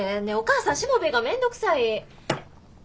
ねえお母さんしもべえが面倒くさい！